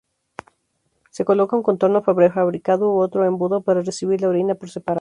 Se coloca un contorno prefabricado u otro embudo para recibir la orina por separado.